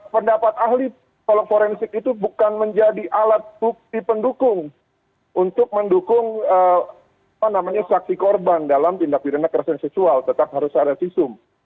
pendapat ahli kalau forensik itu bukan menjadi alat bukti pendukung untuk mendukung saksi korban dalam tindak pidana kerasan seksual tetap harus ada visum